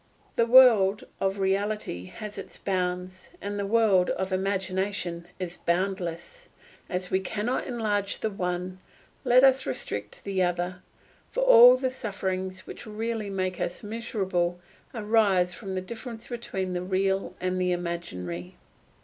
The world of reality has its bounds, the world of imagination is boundless; as we cannot enlarge the one, let us restrict the other; for all the sufferings which really make us miserable arise from the difference between the real and the imaginary.